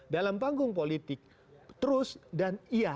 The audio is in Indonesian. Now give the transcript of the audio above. dalam panggung politik terus dan iya